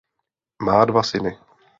Má dva syny.